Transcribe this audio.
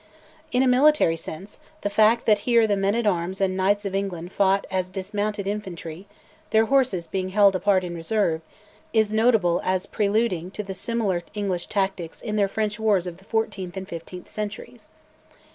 In a military sense, the fact that here the men at arms and knights of England fought as dismounted infantry, their horses being held apart in reserve, is notable as preluding to the similar English tactics in their French wars of the fourteenth and fifteenth centuries.